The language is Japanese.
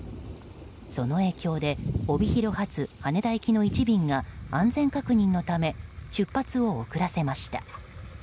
その影響で帯広発羽田行きの１便が安全確認のため出発を遅らせました。